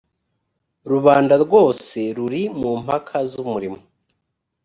rubanda rwose ruri mu mpaka z’umurimo